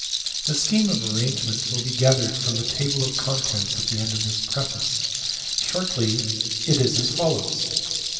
The scheme of arrangement will be gathered from the table of contents at the end of this preface. Shortly it is as follows.